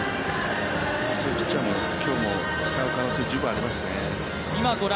そういうピッチャーも今日も使う可能性ありますね。